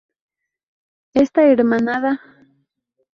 Está hermanada con la ciudad de Salisbury en Inglaterra.